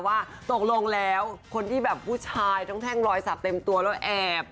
ว่าตกลงแล้วคนที่แบบผู้ชายต้องแท่งรอยสัตว์เต็มตัวแล้วแอบ